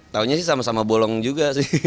taunya sih sama sama bolong juga sih